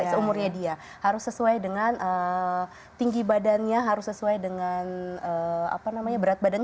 seumurnya dia harus sesuai dengan tinggi badannya harus sesuai dengan apa namanya berat badannya